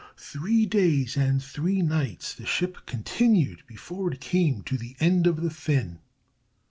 Three days and three nights the ship continued before it came to the end of the fin.